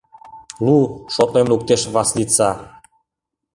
— Лу, — шотлен луктеш Васлица.